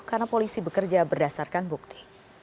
karena polisi bekerja berdasarkan bukti